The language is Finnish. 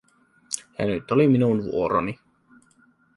Ja nyt oli minun vuoroni.